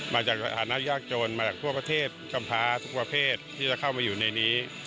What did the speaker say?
มาจากฐานะยากจนมาจากทั่วประเทศกำพาทุกประเภทที่จะเข้ามาอยู่ในนี้